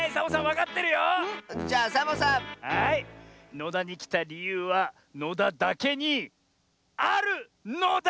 野田にきたりゆうは野田だけにあるのだ！